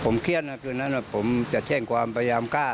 ผมเครียดนะคืนนั้นผมจะแจ้งความพยายามฆ่า